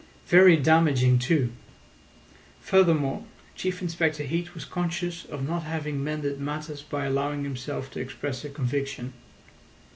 Very damaging, too! Furthermore, Chief Inspector Heat was conscious of not having mended matters by allowing himself to express a conviction.